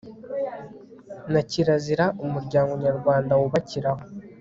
na kirazira umuryango nyarwanda wubakiraho